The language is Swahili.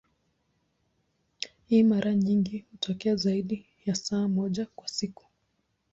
Hii mara nyingi hutokea zaidi ya saa moja kwa siku.